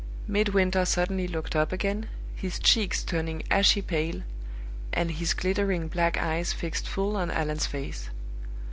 Midwinter suddenly looked up again, his cheeks turning ashy pale, and his glittering black eyes fixed full on Allan's face.